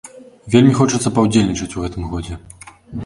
Вельмі хочацца паўдзельнічаць у гэтым годзе.